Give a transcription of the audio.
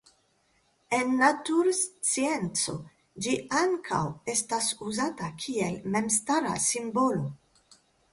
En naturscienco ĝi ankaŭ estas uzata kiel memstara simbolo.